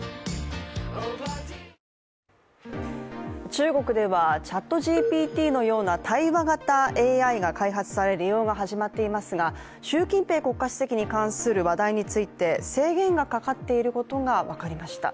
中国ではＣｈａｔＧＰＴのような対話型ＡＩが開発され、利用が始まっていますが、習近平国家主席に関する話題について制限がかかっていることが分かりました。